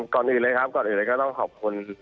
ก่อนอื่นเลยครับก่อนอื่นเลยก็ต้องขอบคุณ